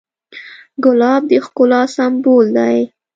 ګلاب د ښکلا سمبول دی.